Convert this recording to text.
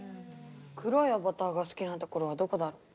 黒いアバターがすきなところはどこだろう。